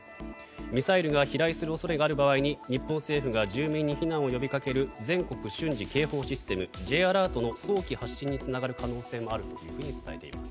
ミサイルが飛来する恐れがある場合に日本政府が住民に避難を呼びかける全国瞬時警戒システムＪアラートの早期発信につながる可能性もあると伝えています。